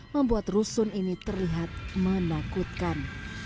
membuat rusun ini terlihat menakutkan